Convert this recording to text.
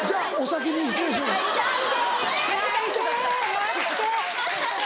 待って。